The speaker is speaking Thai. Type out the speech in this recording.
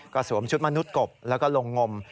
ก็สวมชุดมนุษย์กบแล้วก็ลงงม